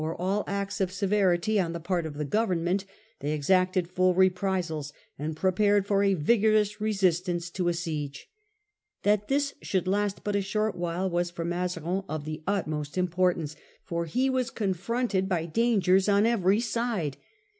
For all acts of severity on the part of the Govern ment they exacted full reprisals, and prepared for a vigorous resistance to a siege. That this should last but a short while was for Mazarin of the utmost im portance, for he was confronted by dangers on every side.